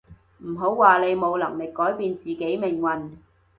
唔好話你冇能力改變自己命運